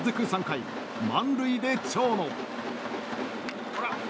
３回、満塁で長野。